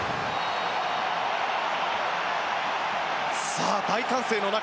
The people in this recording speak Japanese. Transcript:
さあ、大歓声の中